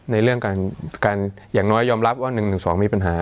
ในเรื่องการอย่างน้อยยอมรับว่า๑๑๒มีปัญหา